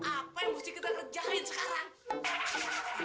apa yang mesti kita kerjain sekarang